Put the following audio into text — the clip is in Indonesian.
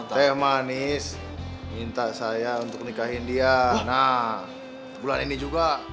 saya manis minta saya untuk nikahin dia nah bulan ini juga